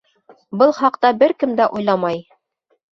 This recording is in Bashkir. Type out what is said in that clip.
Был хаҡта бер кем дә уйламай.